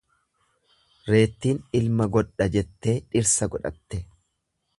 Reettiin ilman godha jettee dhirsa godhatte.